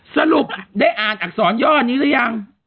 สรุปได้อ่านอักษรย่อนี้หรือยัง